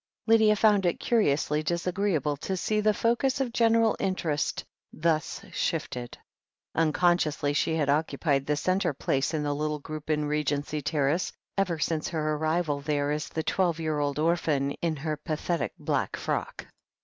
Lydia found it curiously disagreeable to see the focus of general interest thus shifted. Unconsciously, she had occupied the centre place in the little group in Regency Terrace ever since her arrival there, as the THE HEEL OF ACHILLES 49 twelve year old orphan, in her pathetic black frock.